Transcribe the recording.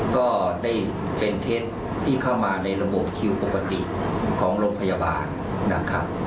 ก็ได้เป็นเท็จที่เข้ามาในระบบคิวปกติของโรงพยาบาลนะครับ